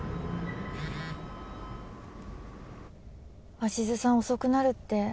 鷲津さん遅くなるって。